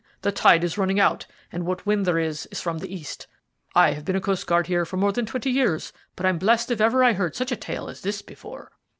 "The tide is running out, and what wind there is is from the east. I have been a coastguard here for more than twenty years, but I'm blessed if ever I heard such a tale as this before."